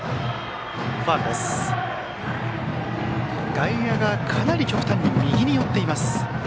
外野がかなり極端に右に寄っています。